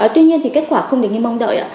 tuy nhiên thì kết quả không được như mong đợi